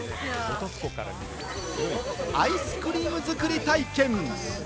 アイスクリーム作り体験。